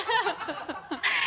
ハハハ